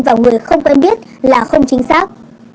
vào người không quen biết là không chính xác